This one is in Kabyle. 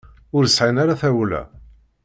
Ur sɛin ara tawla.